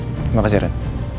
terima kasih ren